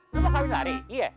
lo mau kaget lari